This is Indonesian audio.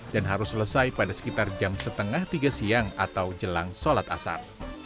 dan harus selesai pada sekitar jam setengah tiga siang atau jelang sholat asar